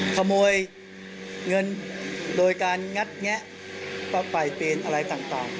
ขโมยเงินโดยการงัดแงะปล่อยเปรนอะไรต่าง